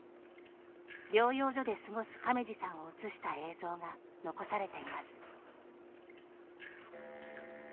療養所で過ごす亀二さんを映した映像が残されています。